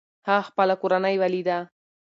هغه خپله کورنۍ وليده.